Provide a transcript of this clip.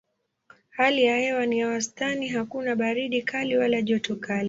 Hali ya hewa ni ya wastani hakuna baridi kali wala joto kali.